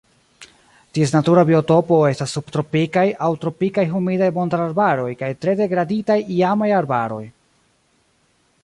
Ties natura biotopo estas subtropikaj aŭ tropikaj humidaj montarbaroj kaj tre degraditaj iamaj arbaroj.